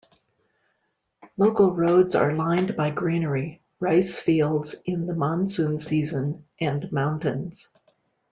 Local roads are lined by greenery, rice fields in the monsoon season, and mountains.